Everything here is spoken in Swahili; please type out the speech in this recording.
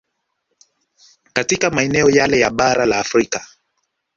Katika maeneo yetu ya bara la Afrika